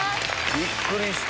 びっくりした。